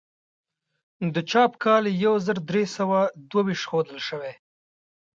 د چاپ کال یې یو زر درې سوه دوه ویشت ښودل شوی.